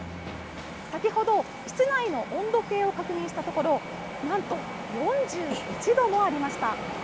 先ほど、室内の温度計を確認したところ、なんと４１度もありました。